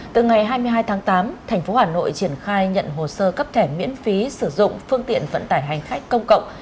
từ ngày hai mươi hai tháng tám thành phố hà nội triển khai nhận hồ sơ cấp thẻ miễn phí sử dụng phương tiện vận tải hành khách công cộng